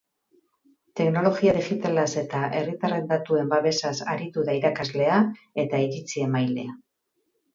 Teknologia digitalaz eta herritarron datuen babesaz aritu da irakaslea eta iritzi-emailea.